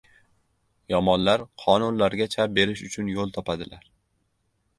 Yomonlar qonunlarga chap berish uchun yo‘l topadilar.